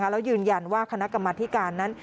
แล้วยืนยันว่าคณะกรรมธิการนั้น